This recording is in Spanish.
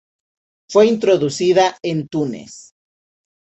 Fue introducida en Túnez.